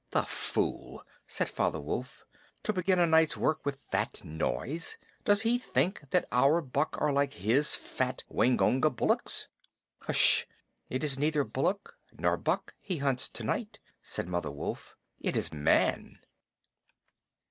"The fool!" said Father Wolf. "To begin a night's work with that noise! Does he think that our buck are like his fat Waingunga bullocks?" "H'sh. It is neither bullock nor buck he hunts to night," said Mother Wolf. "It is Man."